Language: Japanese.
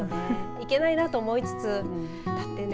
いけないなと思いつつだってね